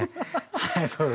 はいそう。